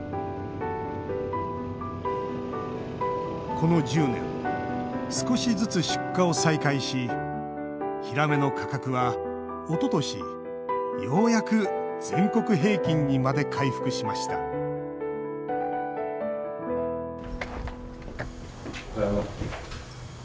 この１０年少しずつ出荷を再開しヒラメの価格はおととしようやく全国平均にまで回復しましたただいま。